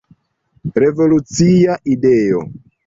Revolucia ideo.